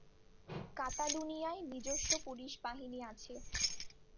কাতালুনিয়ায় নিজস্ব পুলিশ বাহিনী আছে।